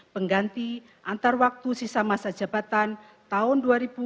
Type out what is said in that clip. pengganti antarwaktu sisa masa jabatan tahun dua ribu sembilan belas dua ribu dua puluh tiga